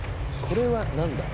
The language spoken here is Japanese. これは何だ？